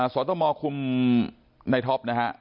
สตมคุมในท็อปนะฮะ